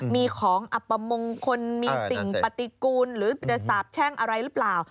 มีของอัปปมงฒ์คนมีติ่งประติกูลหรือจศาสตร์แช่งอะไรรึเปล่า